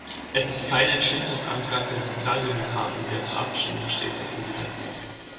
Es ist kein Entschließungsantrag der Sozialdemokraten, der zur Abstimmung steht, Herr Präsident.